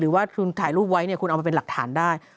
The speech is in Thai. ว่าคุณถ่ายรูปไว้เนี่ยคุณเอามาเป็นหลักฐานได้